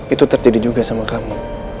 itu terjadi juga sama kami